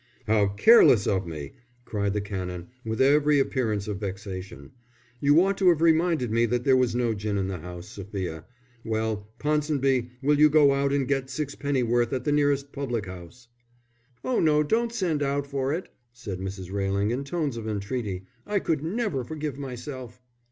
"How careless of me!" cried the Canon, with every appearance of vexation. "You ought to have reminded me that there was no gin in the house, Sophia. Well, Ponsonby, will you go and get sixpennyworth at the nearest public house." "Oh no, don't send out for it," said Mrs. Railing, in tones of entreaty, "I could never forgive myself."